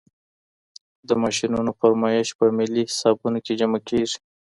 د ماشینونو فرسایش په ملي حسابونو کي جمع کیږي.